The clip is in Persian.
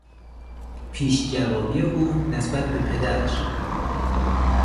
پیشجوابی او نسبت به پدرش